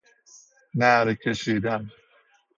نعره کشید